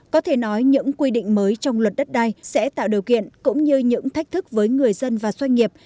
có thể nói những quy định mới trong luật đất đai sẽ tạo điều kiện cũng như những thách thức với người dân và doanh nghiệp